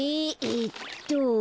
えっと。